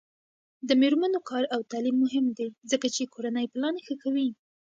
د میرمنو کار او تعلیم مهم دی ځکه چې کورنۍ پلان ښه کوي.